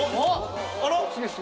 あら？